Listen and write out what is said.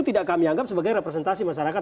tidak kami anggap sebagai representasi masyarakat